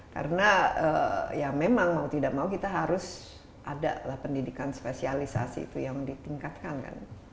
karena ya memang mau tidak mau kita harus ada lah pendidikan spesialisasi itu yang ditingkatkan kan